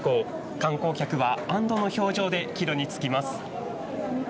観光客は安堵の表情で帰路につきます。